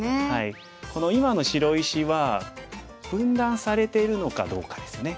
この今の白石は分断されてるのかどうかですね。